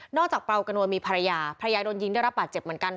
จากเปล่ากระนวลมีภรรยาภรรยาโดนยิงได้รับบาดเจ็บเหมือนกัน